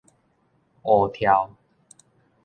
槔柱